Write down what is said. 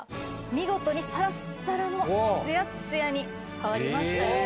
見事にサラッサラのツヤッツヤに変わりましたよね。